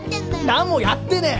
何もやってねえ！